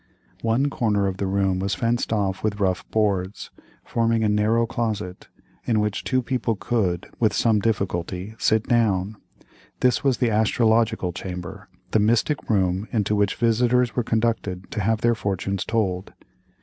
One corner of the room was fenced off with rough boards, forming a narrow closet, in which two people could, with some difficulty, sit down. This was the astrological chamber; the mystic room into which visitors were conducted to have their fortunes told.